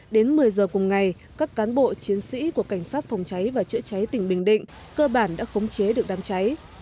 đến một mươi giờ cùng ngày các cán bộ chiến sĩ của cảnh sát phòng cháy và chữa cháy tỉnh bình định cơ bản đã khống chế được đám cháy